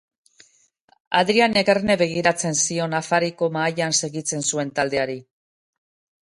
Adrianek erne begiratzen zion afariko mahaian segitzen zuen taldeari.